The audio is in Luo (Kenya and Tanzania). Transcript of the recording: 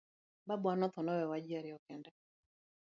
Babawa no tho owewa ji ariyo kende.